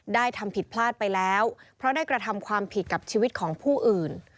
ทำผิดพลาดไปแล้วเพราะได้กระทำความผิดกับชีวิตของผู้อื่น